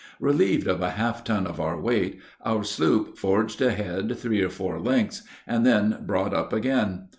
Relieved of a half ton of our weight, our sloop forged ahead three or four lengths, and then brought up again.